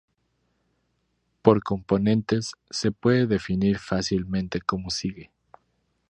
Por componentes, se puede definir fácilmente como sigue.